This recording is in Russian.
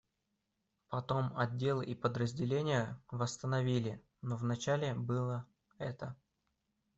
Потом отделы и подразделения восстановили, но вначале было это.